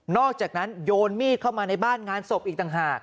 อกจากนั้นโยนมีดเข้ามาในบ้านงานศพอีกต่างหาก